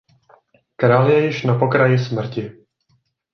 Král je již na pokraji smrti.